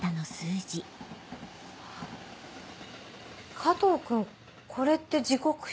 加藤君これって時刻表？